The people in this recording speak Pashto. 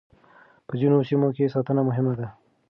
په ځينو سيمو کې ساتنه مهمه ده.